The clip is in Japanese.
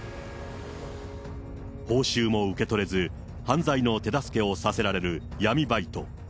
報酬も受け取れず、犯罪の手助けをさせられる闇バイト。